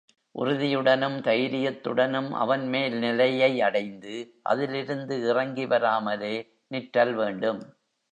உறுதியுடனும் தைரியத்துடனும் அவன் மேல் நிலையை அடைந்து அதிலிருந்து இறங்கி வராமலே நிற்றல் வேண்டும்.